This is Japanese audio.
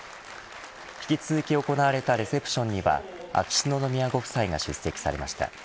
引き続き行われたレセプションには秋篠宮ご夫妻が出席されました。